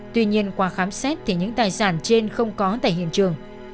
tuy nhiên qua khám xét thì những tài sản trên không có tại hiện trường